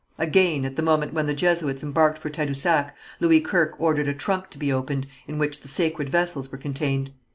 Again, at the moment when the Jesuits embarked for Tadousac, Louis Kirke ordered a trunk to be opened in which the sacred vessels were contained.